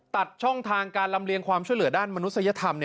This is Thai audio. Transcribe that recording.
ตัดช่องทางการลำเลียงความช่วยเหลือด้านมนุษยธรรม